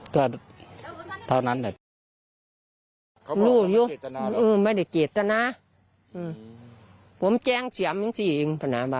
เขาบอกว่าไม่มีเกตนาหรอไม่มีเกตนาผมแจ้งเฉียมอย่างนี้คว่างเฉียม